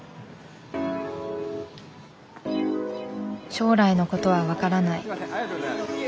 「将来のことは分からない」。